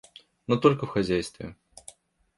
Но только в хозяйстве.